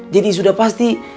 jadi sudah pasti